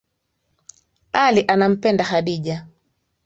Ali anampenda khadija